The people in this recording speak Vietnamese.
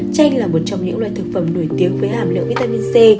chanh là một trong những loại thực phẩm nổi tiếng với hàm lượng vitamin c